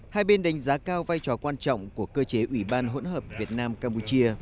hai bên đánh giá cao vai trò quan trọng của cơ chế ủy ban hỗn hợp việt nam campuchia